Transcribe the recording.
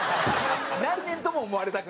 何年とも思われたくない。